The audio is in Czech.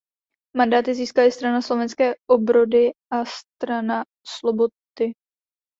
Mandáty získala i Strana slovenské obrody a Strana slobody.